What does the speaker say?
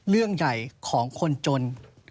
เรื่องใหญ่ของคนจน